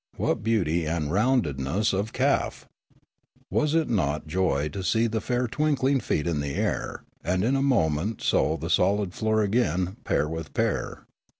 what beauty and roundedness of calf ! was it not joy to see the fair twinkling feet in the air, and in a moment so the solid floor again, pair with pair